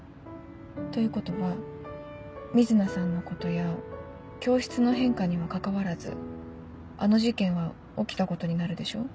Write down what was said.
ということは瑞奈さんのことや教室の変化にはかかわらずあの事件は起きたことになるでしょ？